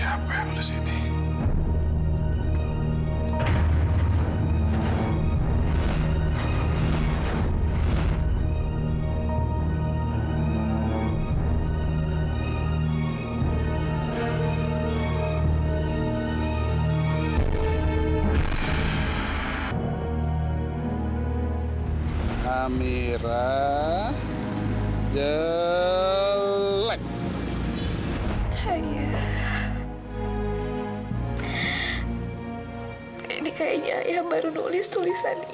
apa kamu benar benar anak saya